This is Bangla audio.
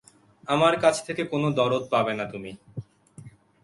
আমার কাছ থেকে কোনো দরদ পাবে না তুমি।